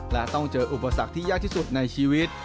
และต้องเจออุปสรรคที่ยากที่สุดในชีวิต